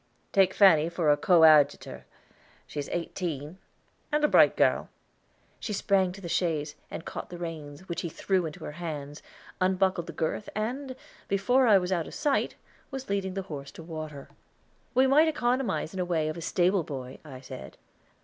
"Take Fanny for a coadjutor; she is eighteen, and a bright girl." She sprang to the chaise, and caught the reins, which he threw into her hands, unbuckled the girth, and, before I was out of sight, was leading the horse to water. "We might economize in the way of a stable boy," I said.